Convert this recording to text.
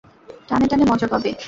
টানে টানে মজা পাবে।